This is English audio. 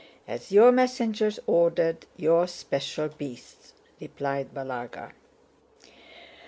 "As your messenger ordered, your special beasts," replied Balagá.